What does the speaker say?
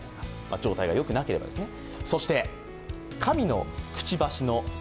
状態がよくなければですね。